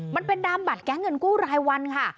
มันเป็นดามบัตรแก๊งเงินกู้รายวันค่ะ